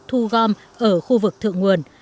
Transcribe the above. thu gom ở khu vực thượng nguồn